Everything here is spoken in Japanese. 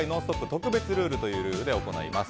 特別ルールというルールで行います。